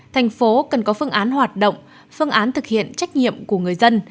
thành phố cần có phương án hoạt động phương án thực hiện trách nhiệm của người dân